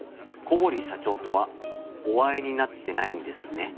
小堀社長とはお会いになってないんですね？